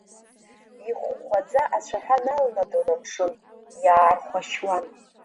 Ихәхәаӡа ацәаҳәа налнадон амшын, иаархәашьуан.